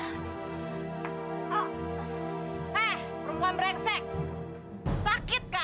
eh perempuan breksek sakit kan